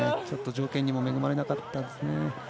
ちょっと条件にも恵まれなかったですね。